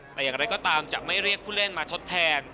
แต่อย่างไรก็ตามจะไม่เรียกผู้เล่นมาทดแทน